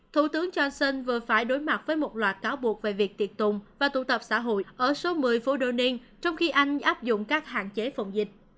thủ tướng johnson vừa phải đối mặt với một loạt cáo buộc về việc tiệc tùng và tụ tập xã hội ở số một mươi phố donin trong khi anh áp dụng các hạn chế phòng dịch